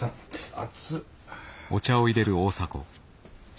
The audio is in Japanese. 熱っ。